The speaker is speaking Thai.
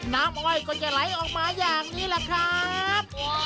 อ้อยก็จะไหลออกมาอย่างนี้แหละครับ